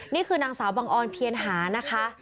นี่คือนางสาวบังออนเพียรหานะคะ